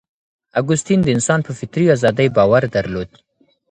اګوستین د انسان په فطري ازادۍ باور درلود.